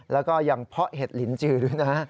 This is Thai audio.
แล้วก็ยังเพาะเห็ดลินจือด้วยนะ